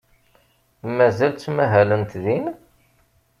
Mazal ttmahalent din?